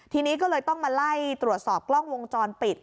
ทีนี้ก็เลยต้องมาไล่ตรวจสอบกล้องวงจรปิด